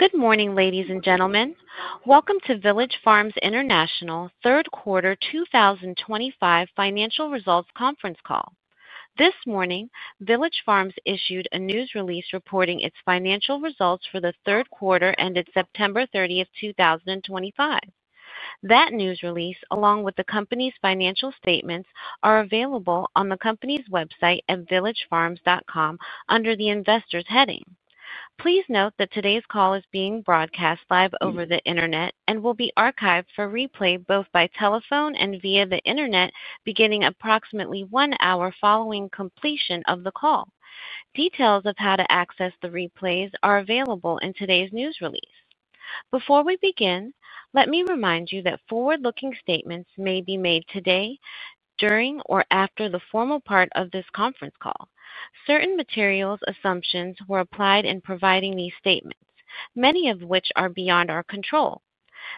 Good morning, ladies and gentlemen. Welcome to Village Farms International, third quarter 2025 financial results conference call. This morning, Village Farms issued a News Release reporting its Financial Results for the third quarter ended September 30th, 2025. That News Release, along with the company's Financial Statements, are available on the company's website at villagefarms.com under the Investors Heading. Please note that today's call is being broadcast live over the internet and will be archived for replay both by telephone and via the internet beginning approximately one hour following completion of the call. Details of how to access the replays are available in today's news release. Before we begin, let me remind you that forward-looking statements may be made today, during, or after the formal part of this conference call. Certain materials, assumptions, were applied in providing these statements, many of which are beyond our control.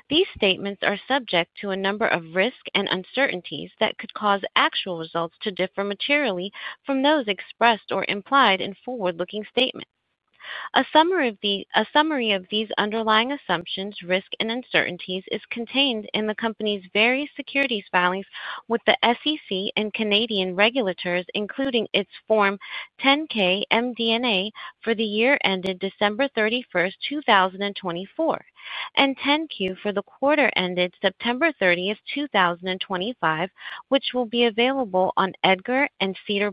These statements are subject to a number of risks and uncertainties that could cause actual results to differ materially from those expressed or implied in Forward-Looking Statements. A summary of these underlying assumptions, risks, and uncertainties is contained in the company's various securities filings with the SEC and Canadian Regulators, including its Form 10-K MD&A for the year ended December 31, 2024, and Form 10-Q for the quarter ended September 30, 2025, which will be available on EDGAR and SEDAR+.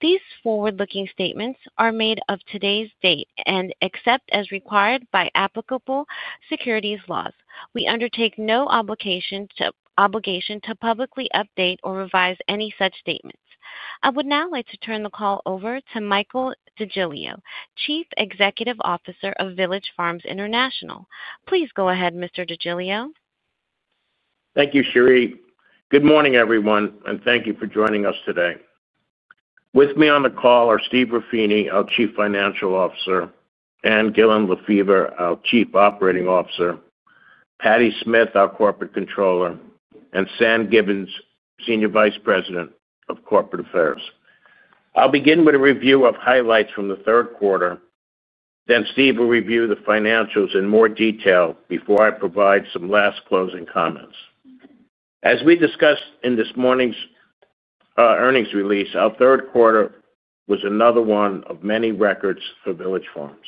These forward-looking statements are made as of today's date and except as required by applicable securities laws. We undertake no obligation to publicly update or revise any such statements. I would now like to turn the call over to Michael DeGiglio, Chief Executive Officer of Village Farms International. Please go ahead, Mr. DeGiglio. Thank you, Cherie. Good morning, everyone, and thank you for joining us today. With me on the call are Stephen Ruffini, our Chief Financial Officer, Ann Gillin Lefever, our Chief Operating Officer, Patti Smith, our Corporate Controller, and Sam Gibbons, Senior Vice President of Corporate Affairs. I'll begin with a review of highlights from the third quarter. Steve will review the financials in more detail before I provide some last closing comments. As we discussed in this morning's earnings release, our third quarter was another one of many records for Village Farms.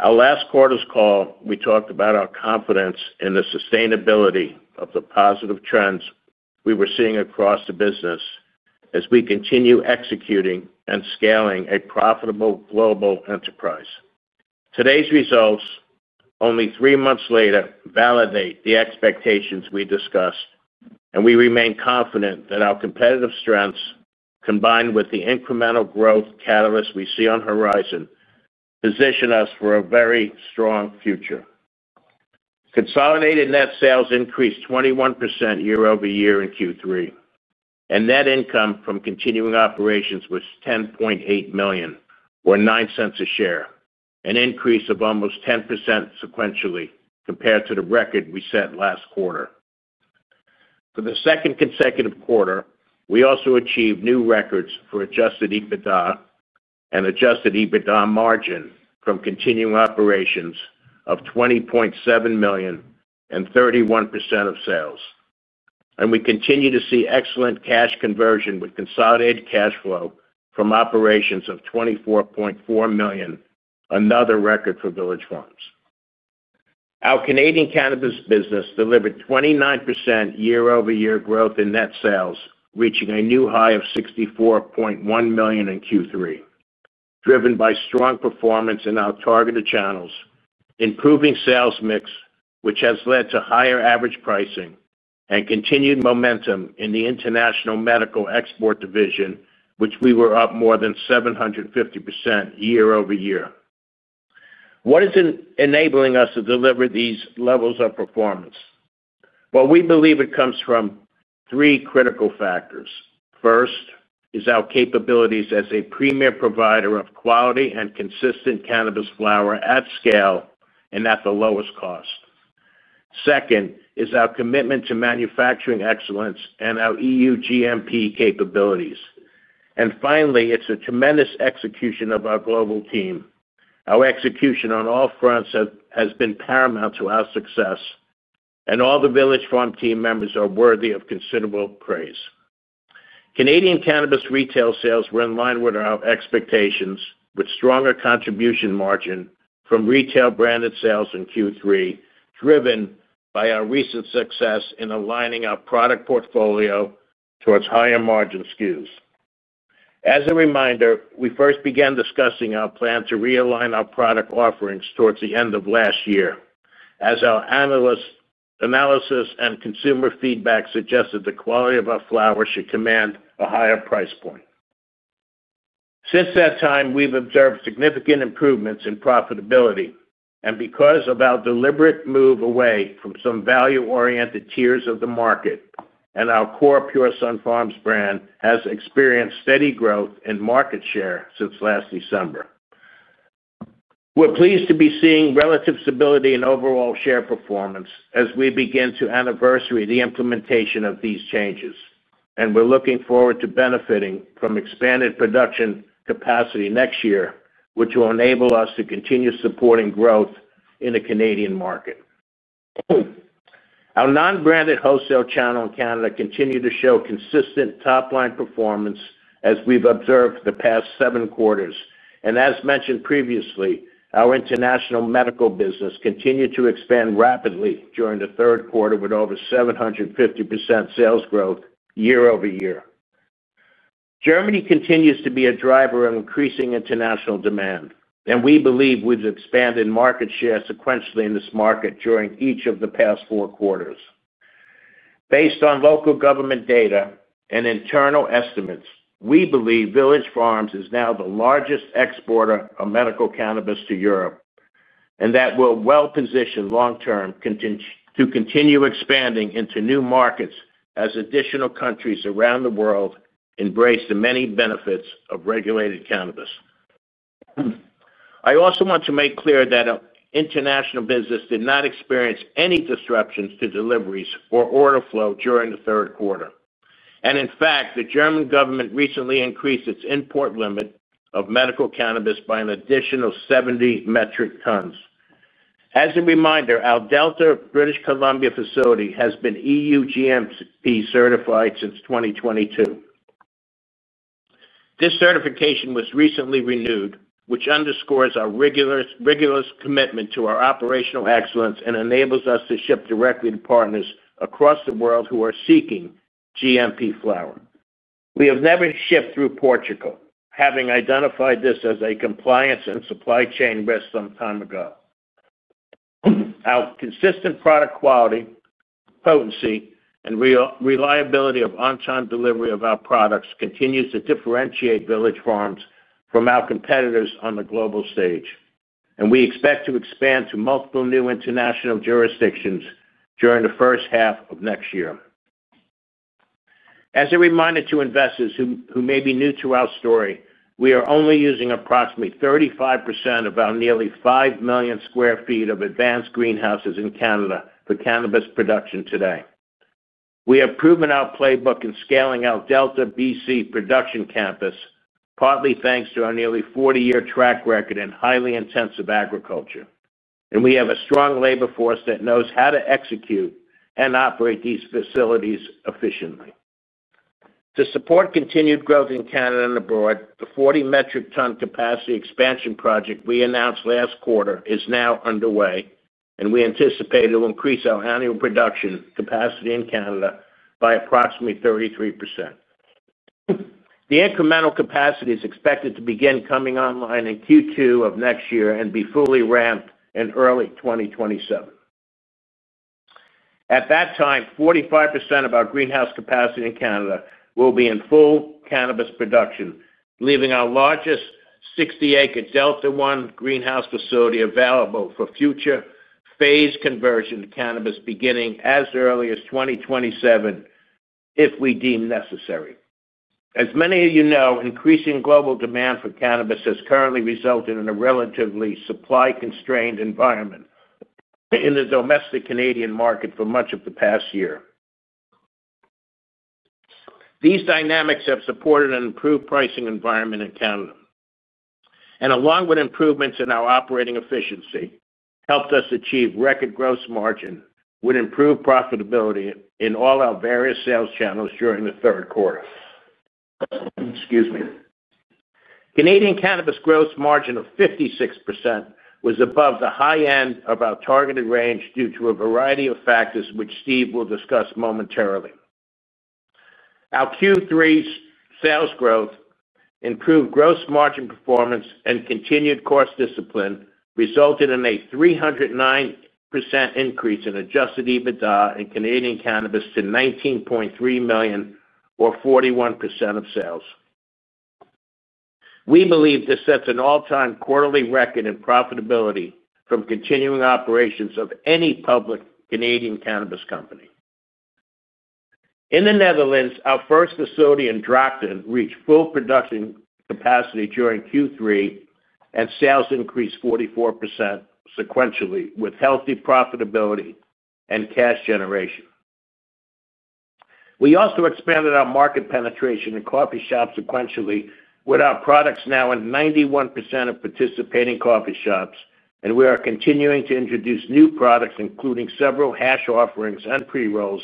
On our last quarter's call, we talked about our confidence in the sustainability of the positive trends we were seeing across the business as we continue executing and scaling a Profitable Global Enterprise. Today's results, only three months later, validate the expectations we discussed, and we remain confident that our Competitive Strengths, combined with the Incremental Growth Catalysts we see on the Horizon, position us for a very strong future. Consolidated Net Sales increased 21% year-over-year in Q3, and Net Income from continuing operations was 10.8 million, or 0.09 a share, an increase of almost 10% sequentially compared to the record we set last quarter. For the second consecutive quarter, we also achieved new records for Adjusted EBITDA and Adjusted EBITDA Margin from continuing operations of 20.7 million and 31% of sales. We continue to see excellent Cash Conversion with Consolidated Cash Flow from operations of 24.4 million, another record for Village Farms. Our Canadian Cannabis Business delivered 29% year-over-year growth in Net Sales, reaching a new high of 64.1 million in Q3, driven by strong performance in our targeted channels, improving sales mix, which has led to higher average pricing, and continued momentum in the International Medical Export Division, which we were up more than 750% year-over-year. What is enabling us to deliver these levels of performance? We believe it comes from three Critical Factors. First is our capabilities as a premier provider of quality and consistent Cannabis Flower at scale and at the lowest cost. Second is our commitment to manufacturing excellence and our EU GMP Capabilities. Finally, it is a tremendous execution of our Global Team. Our execution on all fronts has been paramount to our success, and all the Village Farms Team Members are worthy of considerable praise. Canadian Cannabis Retail Sales were in line with our expectations, with stronger contribution margin from Retail Branded Sales in Q3, driven by our recent success in aligning our Product Portfolio towards higher Margin SKUs. As a reminder, we first began discussing our plan to realign our Product Offerings towards the end of last year, as our Analysis and Consumer Feedback suggested the quality of our flower should command a higher price point. Since that time, we've observed significant improvements in profitability, and because of our deliberate move away from some value-oriented tiers of the market, our core Pure Sunfarms Brand has experienced steady growth in Market Share since last December. We're pleased to be seeing relative stability in overall Share Performance as we begin to anniversary the implementation of these changes, and we're looking forward to benefiting from expanded production capacity next year, which will enable us to continue supporting growth in the Canadian Market. Our non-branded Wholesale Channel in Canada continued to show consistent top-line performance as we've observed the past seven quarters. As mentioned previously, our International Medical Business continued to expand rapidly during the third quarter with over 750% sales growth year-over-year. Germany continues to be a driver of increasing international demand, and we believe we've expanded market share sequentially in this market during each of the past four quarters. Based on Local Government Data and Internal Estimates, we believe Village Farms is now the largest exporter of Medical Cannabis to Europe, and that we're well positioned long-term to continue expanding into New Markets as additional countries around the world embrace the many benefits of regulated Cannabis. I also want to make clear that international business did not experience any disruptions to deliveries or order flow during the third quarter. In fact, the German Government recently increased its import limit of Medical Cannabis by an additional 70 metric tons. As a reminder, our Delta British Columbia facility has been EU GMP Certified since 2022. This Certification was recently renewed, which underscores our rigorous commitment to our operational excellence and enables us to ship directly to partners across the world who are seeking GMP Flower. We have never shipped through Portugal, having identified this as a compliance and supply chain risk some time ago. Our consistent product quality, potency, and reliability of on-time delivery of our products continues to differentiate Village Farms from our competitors on the Global Stage, and we expect to expand to multiple new InternationalJurisdictions during the first half of next year. As a reminder to investors who may be new to our story, we are only using approximately 35% of our nearly 5 million sq ft of Advanced Greenhouses in Canada for Cannabis Production today. We have proven our playbook in scaling our Delta BC Production Campus, partly thanks to our nearly 40-year track record in highly intensive agriculture, and we have a strong labor force that knows how to execute and operate these facilities efficiently. To support continued growth in Canada and abroad, the 40 metric ton capacity expansion project we announced last quarter is now underway, and we anticipate it will increase our Annual Production Capacity in Canada by approximately 33%. The incremental capacity is expected to begin coming online in Q2 of next year and be fully ramped in early 2027. At that time, 45% of our greenhouse capacity in Canada will be in full Cannabis production, leaving our largest 60-acre Delta 1 Greenhouse Facility available for future phase conversion to Cannabis beginning as early as 2027 if we deem necessary. As many of you know, increasing global demand for Cannabis has currently resulted in a relatively supply-constrained environment in the Domestic Canadian Market for much of the past year. These dynamics have supported an improved pricing environment in Canada, and along with improvements in our operating efficiency, helped us achieve record Gross Margin with improved profitability in all our various sales channels during the third quarter. Canadian Cannabis Gross Margin of 56% was above the high end of our targeted range due to a variety of factors, which Steve will discuss momentarily. Our Q3 sales growth, improved Gross Margin performance, and continued course discipline resulted in a 309% increase in Adjusted EBITDA in Canadian Cannabis to 19.3 million, or 41% of sales. We believe this sets an all-time quarterly record in profitability from continuing operations of any Public Canadian Cannabis Company. In the Netherlands, our first facility in Drachten reached full production capacity during Q3, and sales increased 44% sequentially with healthy Profitability and Cash Generation. We also expanded our market penetration in Coffee Shops sequentially, with our products now in 91% of participating Coffee Shops, and we are continuing to introduce new products, including several hash offerings and pre-rolls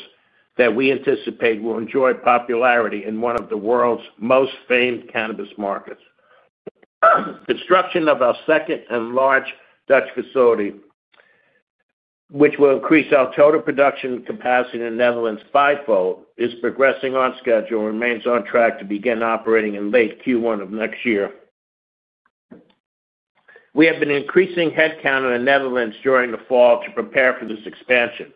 that we anticipate will enjoy popularity in one of the world's most famed Cannabis Markets. Construction of our second and large Dutch Facility, which will increase our Total Production Capacity in the Netherlands fivefold, is progressing on schedule and remains on track to begin operating in late Q1 of next year. We have been increasing headcount in the Netherlands during the fall to prepare for this expansion,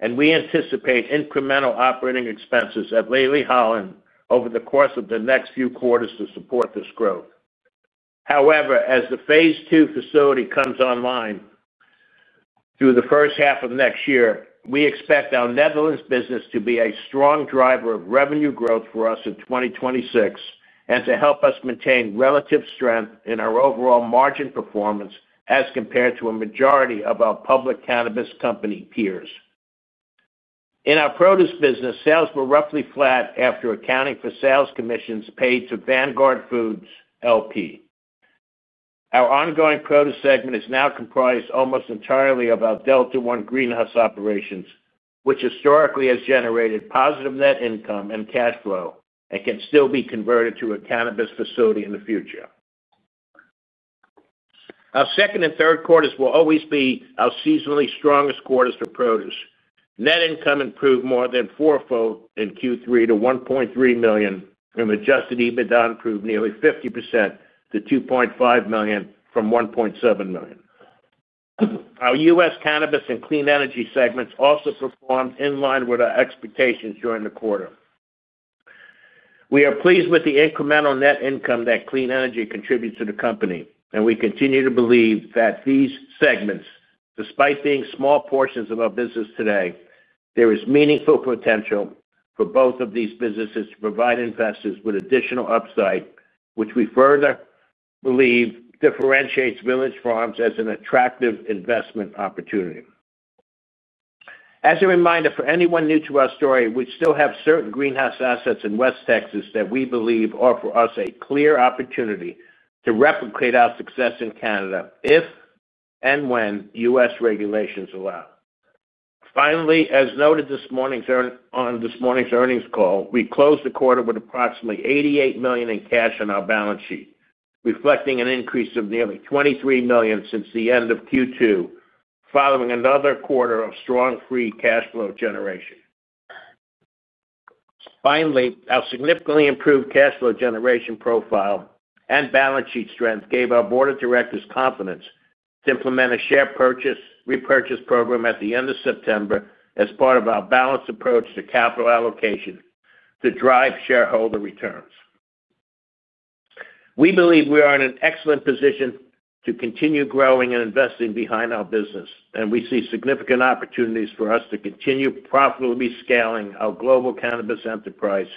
and we anticipate incremental Operating Expenses at Leli Holland over the course of the next few quarters to support this growth. However, as the phase two facility comes online through the first half of next year, we expect our Netherlands business to be a strong driver of revenue growth for us in 2026 and to help us maintain relative strength in our overall Margin Performance as compared to a majority of our Public Cannabis Company peers. In our produce business, sales were roughly flat after accounting for sales commissions paid to Vanguard Foods LP. Our ongoing produce segment is now comprised almost entirely of our Delta 1 Greenhouse Operations, which historically has generated positive Net Income and cash flow and can still be converted to a Cannabis facility in the future. Our second and third quarters will always be our seasonally strongest quarters for produce. Net Income improved more than fourfold in Q3 to 1.3 million, and Adjusted EBITDA improved nearly 50% to 2.5 million from 1.7 million. Our U.S. Cannabis and Clean Energy segments also performed in line with our expectations during the quarter. We are pleased with the incremental Net Income that Clean Energy contributes to the company, and we continue to believe that these segments, despite being small portions of our business today, there is meaningful potential for both of these businesses to provide investors with additional upside, which we further believe differentiates Village Farms as an attractive investment opportunity. As a reminder, for anyone new to our story, we still have certain Greenhouse Assets in West Texas that we believe offer us a clear opportunity to replicate our success in Canada if and when U.S. Regulations allow. Finally, as noted this morning's earnings call, we closed the quarter with approximately 88 million in cash on our balance sheet, reflecting an increase of nearly 23 million since the end of Q2, following another quarter of strong free cash flow generation. Finally, our significantly improved cash flow generation profile and Balance Sheet strength gave our board of directors confidence to implement a share repurchase program at the end of September as part of our balanced approach to capital allocation to drive Shareholder Returns. We believe we are in an excellent position to continue growing and investing behind our business, and we see significant opportunities for us to continue profitably scaling our Global Cannabis Enterprise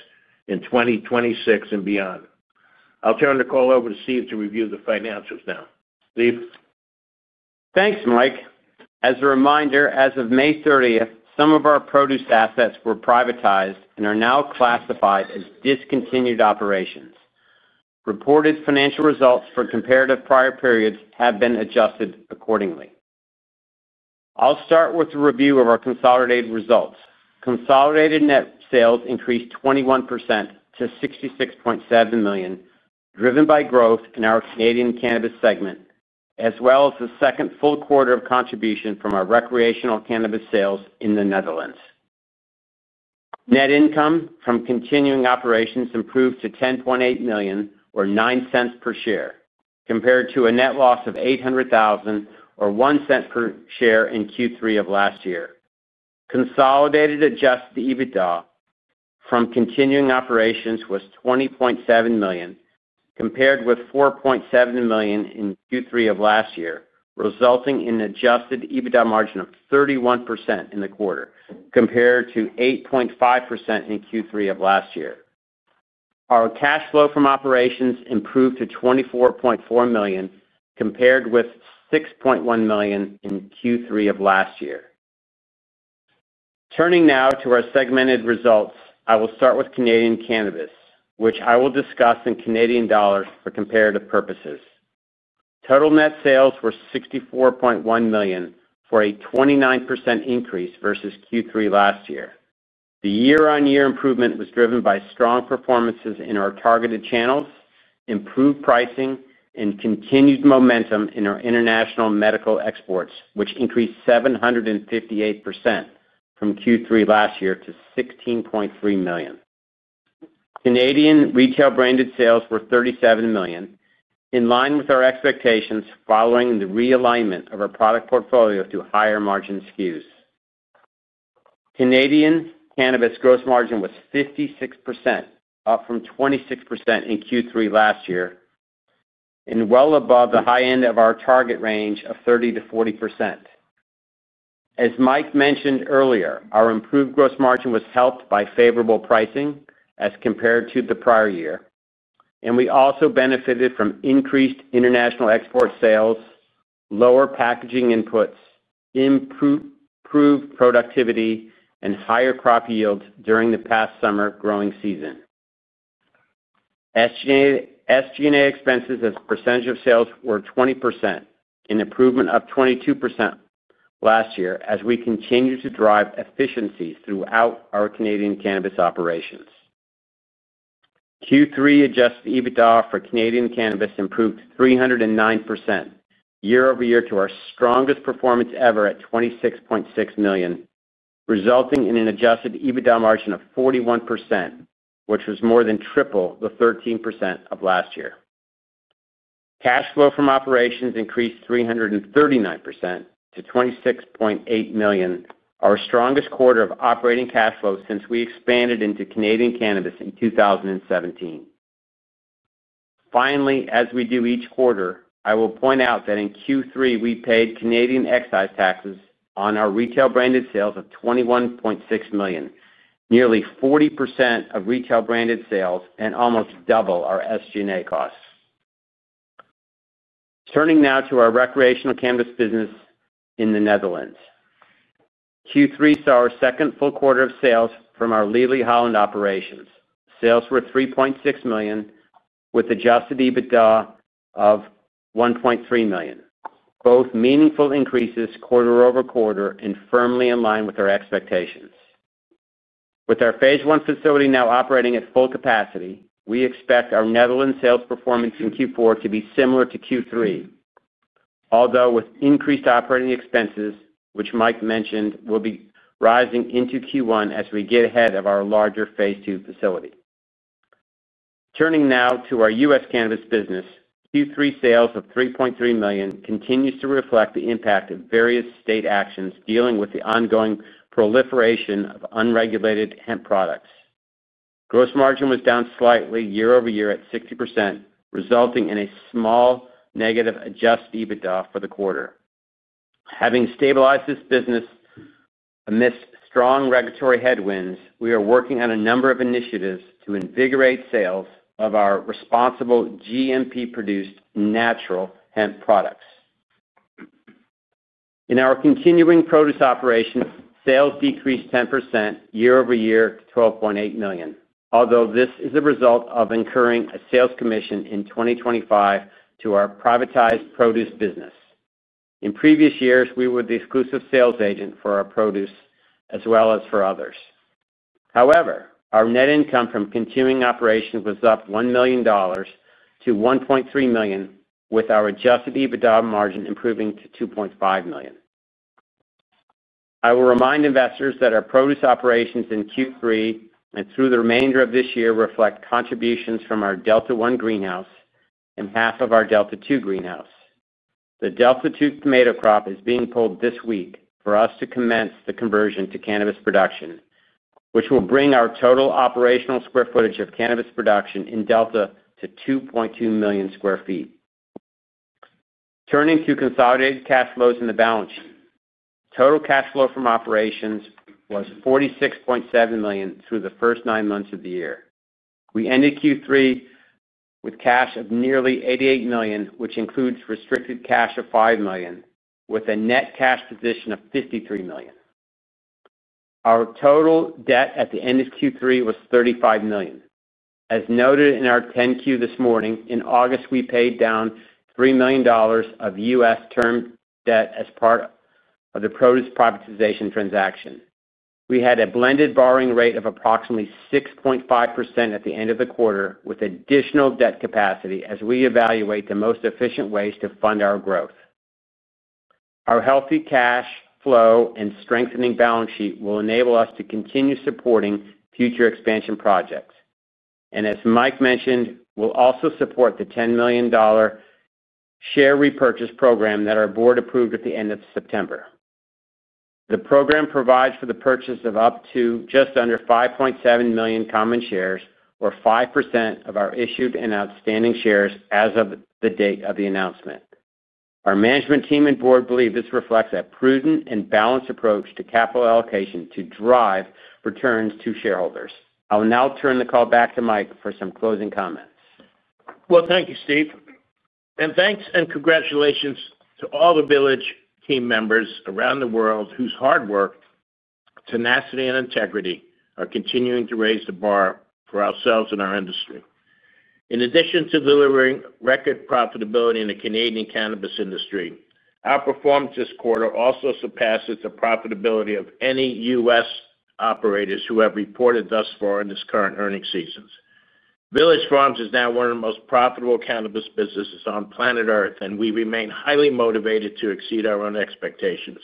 in 2026 and beyond. I'll turn the call over to Steve to review the financials now. Steve? Thanks, Mike. As a reminder, as of May 30th, some of our Produce Assets were privatized and are now classified as discontinued operations. Reported Financial Results for comparative prior periods have been adjusted accordingly. I'll start with a review of our Consolidated Results. Consolidated Net Sales increased 21% to 66.7 million, driven by growth in our Canadian Cannabis segment, as well as the second full quarter of contribution from our recreational Cannabis Sales in the Netherlands. Net Income from continuing operations improved to 10.8 million, or 0.09 per share, compared to a net loss of 800,000, or 0.01 per share in Q3 of last year. Consolidated Adjusted EBITDA from continuing operations was 20.7 million, compared with 4.7 million in Q3 of last year, resulting in an Adjusted EBITDA Margin of 31% in the quarter, compared to 8.5% in Q3 of last year. Our cash flow from operations improved to 24.4 million, compared with 6.1 million in Q3 of last year. Turning now to our segmented results, I will start with Canadian Cannabis, which I will discuss in CAD for comparative purposes. Total Net Sales were 64.1 million for a 29% increase versus Q3 last year. The year-on-year improvement was driven by strong performances in our targeted channels, improved pricing, and continued momentum in our international medical exports, which increased 758% from Q3 last year to 16.3 million. Canadian retail branded sales were 37 million, in line with our expectations following the realignment of our product portfolio to higher Margin SKUs. Canadian Cannabis Gross Margin was 56%, up from 26% in Q3 last year, and well above the high end of our target range of 30%-40%. As Mike mentioned earlier, our improved Gross Margin was helped by favorable pricing as compared to the prior year, and we also benefited from increased International Export Sales, lower Packaging Inputs, improved Productivity, and higher Crop Yields during the past summer growing season. SG&A Expenses as a percentage of sales were 20%, an improvement from 22% last year as we continue to drive efficiencies throughout our Canadian Cannabis Operations. Q3 Adjusted EBITDA for Canadian Cannabis improved 309% year-over-year to our strongest performance ever at 26.6 million, resulting in an Adjusted EBITDA Margin of 41%, which was more than triple the 13% of last year. Cash flow from operations increased 339% to 26.8 million, our strongest quarter of operating cash flow since we expanded into Canadian Cannabis in 2017. Finally, as we do each quarter, I will point out that in Q3 we paid Canadian Excise Taxes on our Retail Branded Sales 21.6 million, nearly 40% of Retail Branded Sales and almost double our SG&A Costs. Turning now to our recreational Cannabis Business in the Netherlands. Q3 saw our second full quarter of sales from our Leli Holland operations. Sales were 3.6 million, with Adjusted EBITDA of 1.3 million. Both meaningful increases quarter over quarter and firmly in line with our expectations. With our phase one facility now operating at full capacity, we expect our Netherlands Sales Performance in Q4 to be similar to Q3, although with increased Operating Expenses, which Mike mentioned, will be rising into Q1 as we get ahead of our larger phase two facility. Turning now to our U.S. Cannabis business, Q3 sales of 3.3 million continues to reflect the impact of various state actions dealing with the ongoing proliferation of unregulated hemp products. Gross Margin was down slightly year-over-year at 60%, resulting in a small negative Adjusted EBITDA for the quarter. Having stabilized this business amidst strong regulatory headwinds, we are working on a number of initiatives to invigorate sales of our responsible GMP-produced Natural Hemp Products. In our continuing produce operations, sales decreased 10% year-over-year to 12.8 million, although this is a result of incurring a sales commission in 2025 to our Privatized Produce Business. In previous years, we were the exclusive sales agent for our produce, as well as for others. However, our Net Income from continuing operations was up 1 million dollars to 1.3 million, with our Adjusted EBITDA Margin improving to 2.5 million. I will remind investors that our produce operations in Q3 and through the remainder of this year reflect contributions from our Delta 1 Greenhouse and half of our Delta 2 Greenhouse. The Delta 2 tomato crop is being pulled this week for us to commence the conversion to Cannabis production, which will bring our total operational square footage of Cannabis production in Delta to 2.2 million sq ft. Turning to consolidated cash flows in the balance sheet, total cash flow from operations was 46.7 million through the first nine months of the year. We ended Q3 with cash of nearly 88 million, which includes restricted cash of 5 million, with a net cash position of 53 million. Our Total Debt at the end of Q3 was 35 million. As noted in our Form 10-Q this morning, in August, we paid down 3 million dollars of US term debt as part of the produce privatization transaction. We had a blended borrowing rate of approximately 6.5% at the end of the quarter, with additional debt capacity as we evaluate the most efficient ways to fund our growth. Our healthy cash flow and strengthening balance sheet will enable us to continue supporting future expansion projects. As Mike mentioned, we will also support the 10 million dollar share repurchase program that our board approved at the end of September. The program provides for the purchase of up to just under 5.7 million common shares, or 5% of our issued and outstanding shares as of the date of the announcement. Our management team and board believe this reflects a prudent and balanced approach to Capital Allocation to drive returns to shareholders. I will now turn the call back to Mike for some closing comments. Thank you, Steve. Thanks and congratulations to all the Village Team Members around the world whose hard work, tenacity, and integrity are continuing to raise the bar for ourselves and our industry. In addition to delivering record profitability in the Canadian Cannabis Industry, our performance this quarter also surpasses the profitability of any U.S. Operators who have reported thus far in these current earnings seasons. Village Farms is now one of the most Profitable Cannabis businesses on planet Earth, and we remain highly motivated to exceed our own expectations.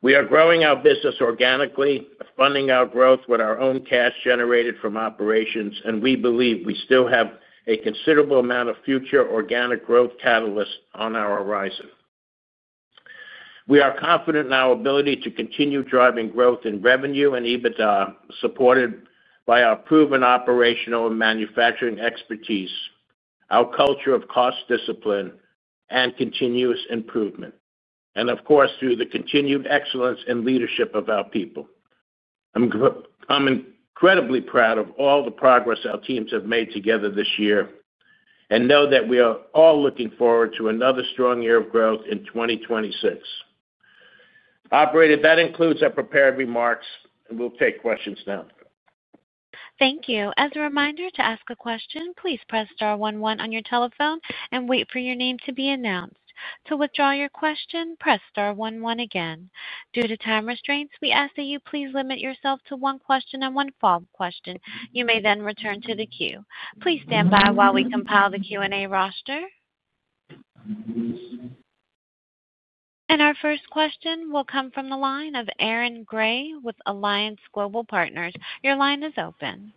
We are growing our business organically, funding our growth with our own cash generated from operations, and we believe we still have a considerable amount of future organic growth catalysts on our horizon. We are confident in our ability to continue driving growth in revenue and EBITDA, supported by our proven operational and manufacturing expertise, our culture of cost discipline, and continuous improvement. Of course, through the continued excellence and leadership of our people. I'm incredibly proud of all the progress our teams have made together this year and know that we are all looking forward to another strong year of growth in 2026. Operator, that includes our prepared remarks, and we'll take questions now. Thank you. As a reminder to ask a question, please press star one one on your telephone and wait for your name to be announced. To withdraw your question, press star one one again. Due to time restraints, we ask that you please limit yourself to one question and one follow-up question. You may then return to the queue. Please stand by while we compile the Q&A roster. Our first question will come from the line of Aaron Grey with Alliance Global Partners. Your line is open.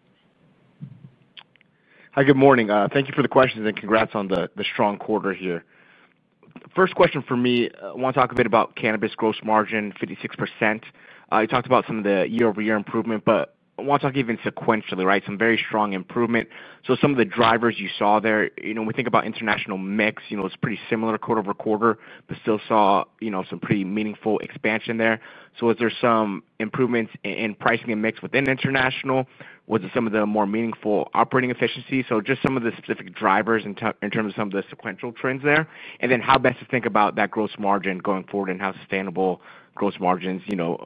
Hi, good morning. Thank you for the questions and congrats on the strong quarter here. First question for me, I want to talk a bit about Cannabis Gross Margin, 56%. You talked about some of the year-over-year improvement, but I want to talk even sequentially, right? Some very strong improvement. Some of the drivers you saw there, when we think about international mix, it is pretty similar quarter over quarter, but still saw some pretty meaningful expansion there. Was there some improvements in pricing and mix within international? Was it some of the more meaningful operating efficiency? Just some of the specific drivers in terms of some of the sequential trends there. Then how best to think about that Gross Margin going forward and how sustainable Gross Margins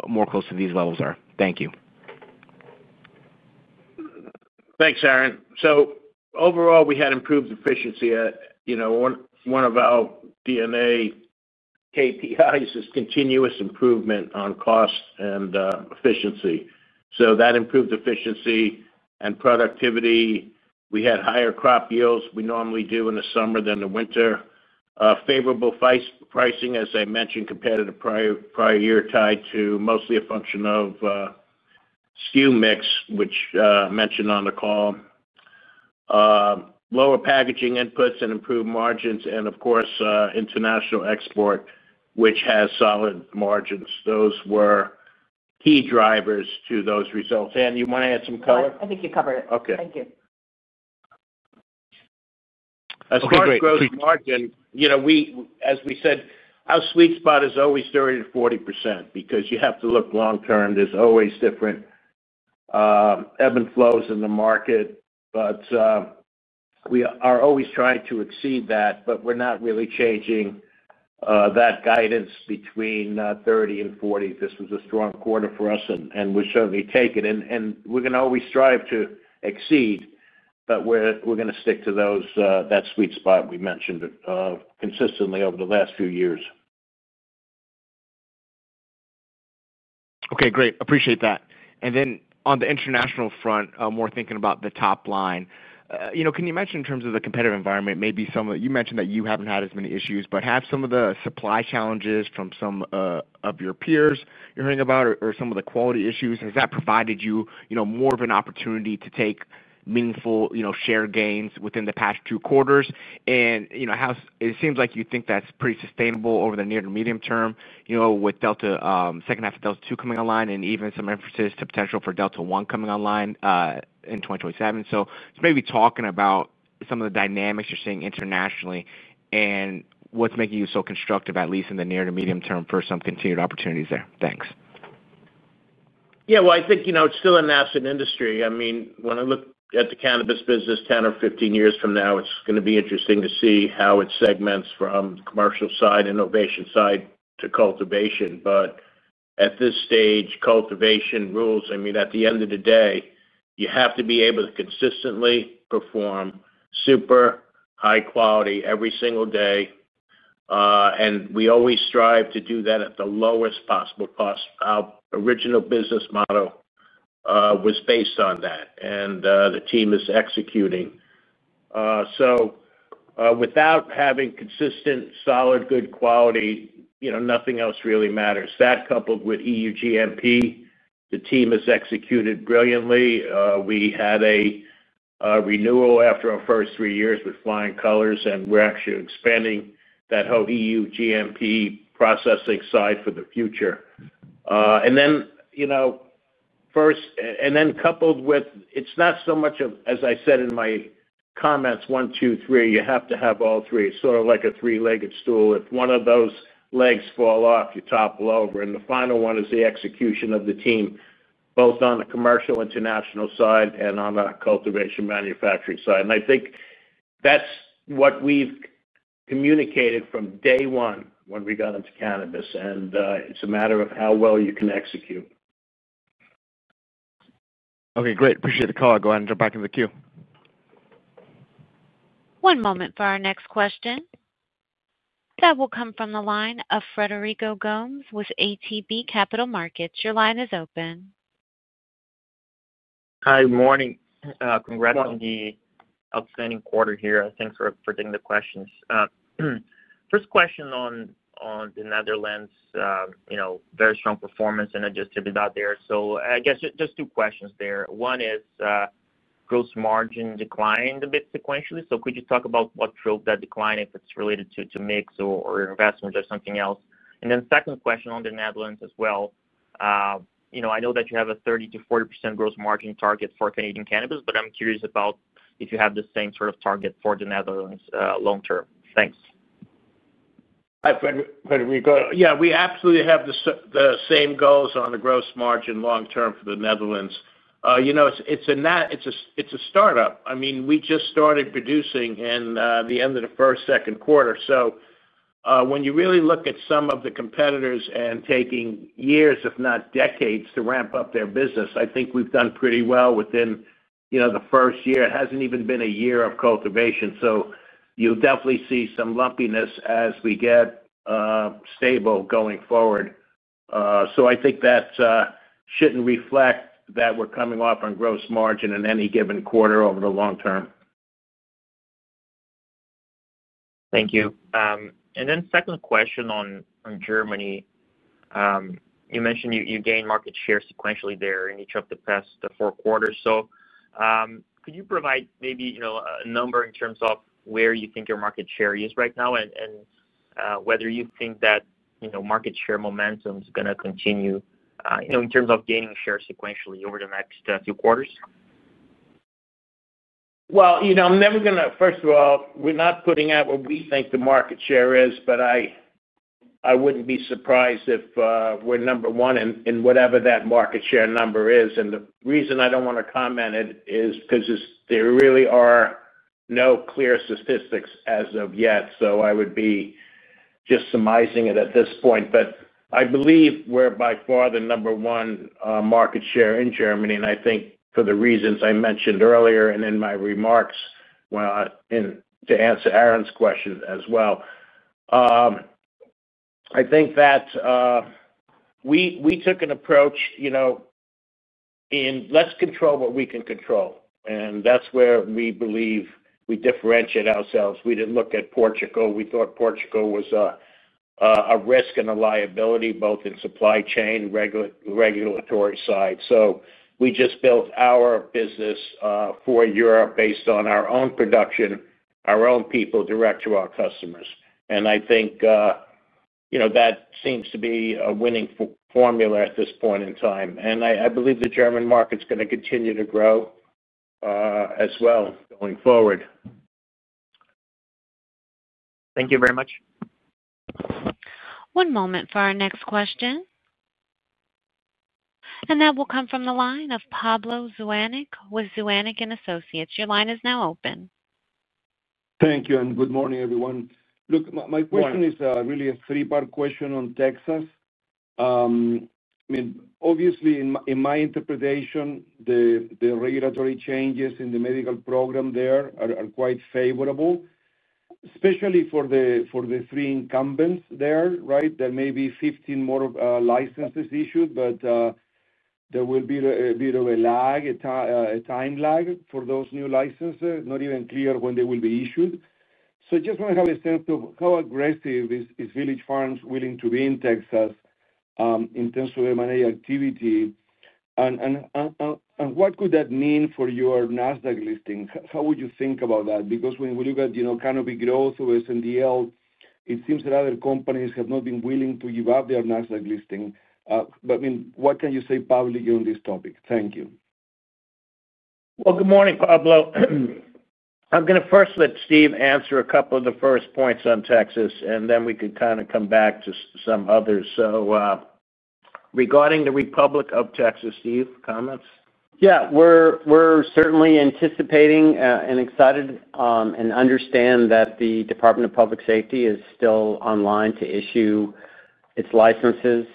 more close to these levels are. Thank you. Thanks, Aaron. Overall, we had improved efficiency. One of our DNA KPIs is continuous improvement on cost and efficiency. That improved efficiency and productivity. We had higher crop yields than we normally do in the summer than the winter. Favorable pricing, as I mentioned, compared to the prior year, tied to mostly a function of SKU mix, which I mentioned on the call. Lower packaging inputs and improved margins. Of course, international export, which has solid margins. Those were key drivers to those results. Ann, you want to add some color? I think you covered it. Thank you. As far as Gross Margin, as we said, our sweet spot is always 30-40% because you have to look long-term. There's always different ebb and flows in the market, but we are always trying to exceed that, but we're not really changing that guidance between 30 and 40. This was a strong quarter for us, and we're certainly taking it. We're going to always strive to exceed, but we're going to stick to that sweet spot we mentioned consistently over the last few years. Okay, great. Appreciate that. Then on the international front, more thinking about the top line, can you mention in terms of the competitive environment, maybe some of the—you mentioned that you haven't had as many issues, but have some of the supply challenges from some of your peers you're hearing about, or some of the quality issues? Has that provided you more of an opportunity to take meaningful share gains within the past two quarters? It seems like you think that's pretty sustainable over the near to medium term, with second half of Delta 2 coming online and even some emphasis to potential for Delta 1 coming online in 2027. Maybe talking about some of the dynamics you're seeing internationally and what's making you so constructive, at least in the near to medium term, for some continued opportunities there. Thanks. Yeah, I think it's still a nascent industry. I mean, when I look at the Cannabis business 10 or 15 years from now, it's going to be interesting to see how it segments from Commercial Side, Innovation Side, to Cultivation. At this stage, Cultivation Rules. I mean, at the end of the day, you have to be able to consistently perform super high quality every single day. We always strive to do that at the lowest possible cost. Our original Business Model was based on that, and the team is executing. Without having consistent, solid, good quality, nothing else really matters. That coupled with EU GMP, the team has executed brilliantly. We had a renewal after our first three years with flying colors, and we are actually expanding that whole EU GMP processing side for the future. Coupled with—it is not so much of, as I said in my comments, one, two, three, you have to have all three. It is sort of like a three-legged stool. If one of those legs falls off, you topple over. The final one is the execution of the team, both on the commercial international side and on our cultivation manufacturing side. I think that is what we have communicated from day one when we got into Cannabis. It is a matter of how well you can execute. Okay, great. Appreciate the call. I'll go ahead and jump back in the queue. One moment for our next question. That will come from the line of Frederico Gomes with ATB Capital Markets. Your line is open. Hi, good morning. Congrats on the outstanding quarter here. Thanks for taking the questions. First question on the Netherlands, very strong performance and adjusted out there. I guess just two questions there. One is Gross Margin declined a bit sequentially. Could you talk about what drove that decline, if it's related to mix or investment or something else? Then second question on the Netherlands as well. I know that you have a 30%-40% Gross Margin target for Canadian Cannabis, but I'm curious about if you have the same sort of target for the Netherlands long term. Thanks. Hi, Frederico.Yeah, we absolutely have the same goals on the Gross Margin long term for the Netherlands. It's a startup. I mean, we just started producing in the end of the first second quarter. When you really look at some of the competitors and taking years, if not decades, to ramp up their business, I think we've done pretty well within the first year. It hasn't even been a year of cultivation. You'll definitely see some lumpiness as we get stable going forward. I think that shouldn't reflect that we're coming off on Gross Margin in any given quarter over the long term. Thank you. Then second question on Germany. You mentioned you gained Market Share sequentially there in each of the past four quarters. Could you provide maybe a number in terms of where you think your market share is right now and whether you think that market share momentum is going to continue in terms of gaining share sequentially over the next few quarters? I'm never going to—first of all, we're not putting out what we think the market share is, but I wouldn't be surprised if we're number one in whatever that market share number is. The reason I don't want to comment is because there really are no clear statistics as of yet. I would be just surmising it at this point. I believe we're by far the number one market share in Germany. I think for the reasons I mentioned earlier and in my remarks to answer Aaron's question as well, I think that we took an approach in let's control what we can control. That's where we believe we differentiate ourselves. We didn't look at Portugal. We thought Portugal was a risk and a liability both in supply chain regulatory side. We just built our business for Europe based on our own production, our own people direct to our customers. I think that seems to be a winning formula at this point in time. I believe the German market's going to continue to grow as well going forward. Thank you very much. One moment for our next question. That will come from the line of Pablo Zuanic with Zuanic & Associates. Your line is now open. Thank you. Good morning, everyone. Look, my question is really a three-part question on Texas. I mean, obviously, in my interpretation, the regulatory changes in the medical program there are quite favorable, especially for the three incumbents there, right? There may be 15 more licenses issued, but there will be a bit of a lag, a time lag for those new licenses, not even clear when they will be issued. I just want to have a sense of how aggressive is Village Farms willing to be in Texas in terms of M&A Activity? What could that mean for your NASDAQ Listing? How would you think about that? Because when we look at Cannabis growth or SNDL, it seems that other companies have not been willing to give up their NASDAQ Listing. I mean, what can you say publicly on this topic? Thank you. Good morning, Pablo. I'm going to first let Steve answer a couple of the first points on Texas, and then we could kind of come back to some others. Regarding the Republic of Texas, Steve, comments? Yeah, we're certainly anticipating and excited and understand that the Department of Public Safety is still online to issue its licenses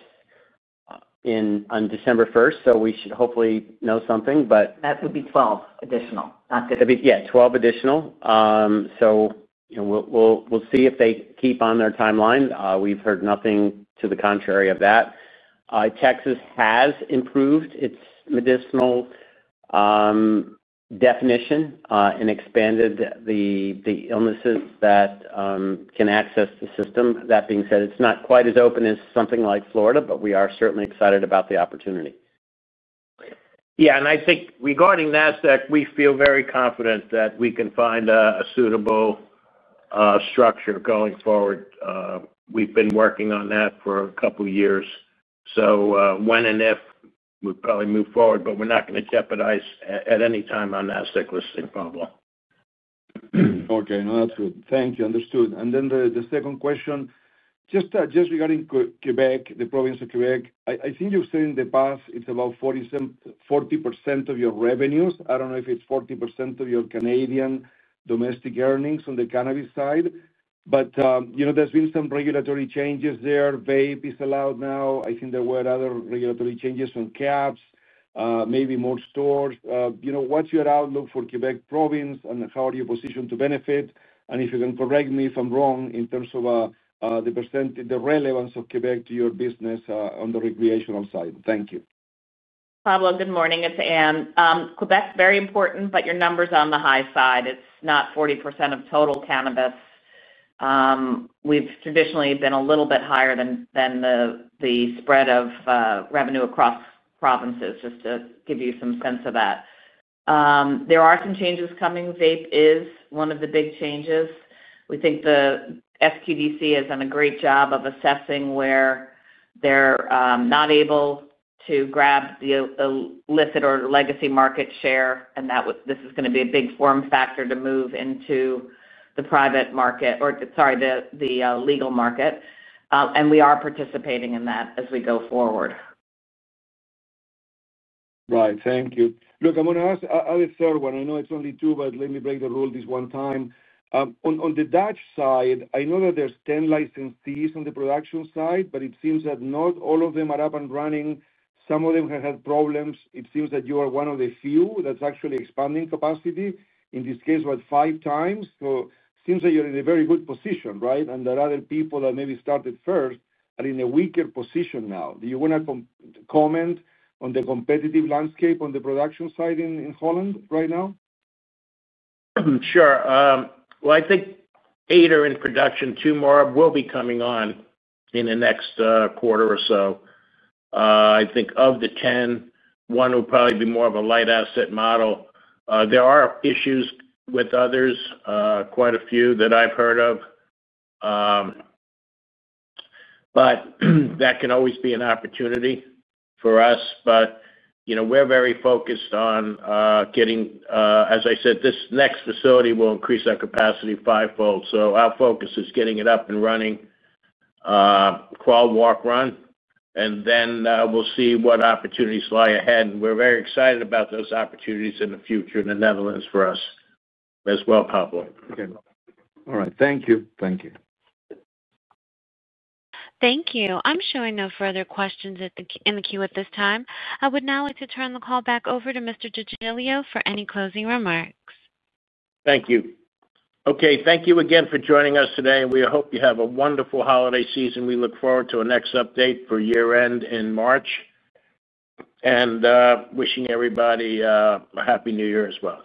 on December 1. We should hopefully know something, but that would be 12 additional, not. Yeah, 12 additional. We'll see if they keep on their timeline. We've heard nothing to the contrary of that. Texas has improved its medicinal definition and expanded the illnesses that can access the system. That being said, it's not quite as open as something like Florida, but we are certainly excited about the opportunity. Yeah. I think regarding NASDAQ, we feel very confident that we can find a suitable structure going forward. We've been working on that for a couple of years. So when and if we'll probably move forward, but we're not going to jeopardize at any time our NASDAQ Listing, Pablo. Okay. No, that's good. Thank you. Understood. The second question, just regarding Quebec, the province of Quebec, I think you've said in the past it's about 40% of your revenues. I don't know if it's 40% of your Canadian domestic earnings on the Cannabis side. There's been some regulatory changes there. Vape is allowed now. I think there were other regulatory changes on caps, maybe more stores. What's your outlook for Quebec Province and how are you positioned to benefit? If you can correct me if I'm wrong in terms of the relevance of Quebec to your business on the recreational side. Thank you. Pablo, good morning. It's Ann. Quebec's very important, but your number's on the high side. It's not 40% of Total Cannabis. We've traditionally been a little bit higher than the spread of revenue across provinces, just to give you some sense of that. There are some changes coming. Vape is one of the big changes. We think the SQDC has done a great job of assessing where they're not able to grab the elicit or legacy market share. This is going to be a big form factor to move into the private market or, sorry, the Legal Market. We are participating in that as we go forward. Right. Thank you. Look, I'm going to ask another third one. I know it's only two, but let me break the rule this one time. On the Dutch side, I know that there's 10 Licensees on the production side, but it seems that not all of them are up and running. Some of them have had problems. It seems that you are one of the few that's actually expanding capacity, in this case, what, five times. It seems that you're in a very good position, right? There are other people that maybe started first, but in a weaker position now. Do you want to comment on the competitive landscape on the production side in Holland right now? Sure. I think eight are in production. Two more will be coming on in the next quarter or so. I think of the 10, one will probably be more of a light Asset Model. There are issues with others, quite a few that I've heard of. That can always be an opportunity for us. But we're very focused on getting, as I said, this next facility will increase our capacity fivefold. Our focus is getting it up and running, crawl, walk, run. Then we'll see what opportunities lie ahead. We're very excited about those opportunities in the future in the Netherlands for us as well, Pablo. Okay. All right. Thank you. I'm showing no further questions in the queue at this time. I would now like to turn the call back over to Mr. DeGiglio for any closing remarks. Thank you. Okay. Thank you again for joining us today. We hope you have a wonderful holiday season. We look forward to our next update for year-end in March. Wishing everybody a Happy New Year as well.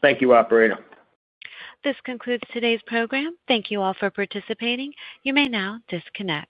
Thank you, operator. This concludes today's program. Thank you all for participating. You may now disconnect.